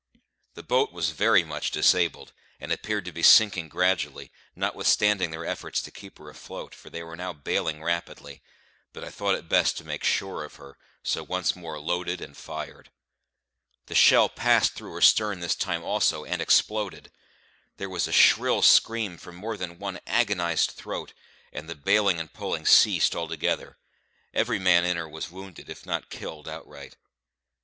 The boat was very much disabled, and appeared to be sinking gradually, notwithstanding their efforts to keep her afloat, for they were now baling rapidly; but I thought it best to make sure of her, so once more loaded and fired. The shell passed through her stern this time also, and exploded; there was a shrill scream from more than one agonised throat, and the baling and pulling ceased altogether; every man in her was wounded, if not killed outright.